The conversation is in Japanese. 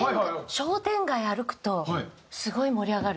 商店街歩くと盛り上がる？